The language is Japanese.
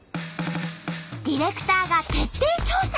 ディレクターが徹底調査！